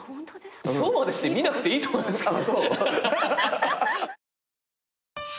そうまでして見なくていいと思いますけど。